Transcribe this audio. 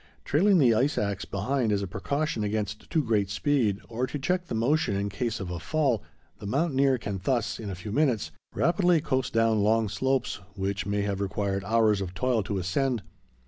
Trailing the ice axe behind as a precaution against too great speed, or to check the motion in case of a fall, the mountaineer can thus, in a few minutes, rapidly coast down long slopes which may have required hours of toil to ascend.